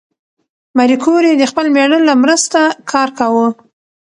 ماري کوري د خپل مېړه له مرسته کار کاوه.